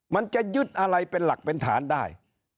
มันจะยึดอะไรเป็นหลักเป็นฐานได้